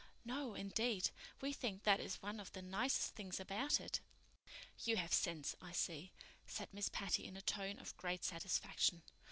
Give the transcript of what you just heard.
"No, indeed. We think that is one of the nicest things about it." "You have sense, I see," said Miss Patty in a tone of great satisfaction.